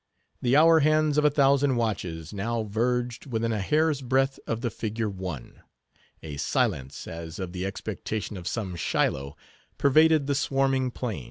The hour hands of a thousand watches now verged within a hair's breadth of the figure 1. A silence, as of the expectation of some Shiloh, pervaded the swarming plain.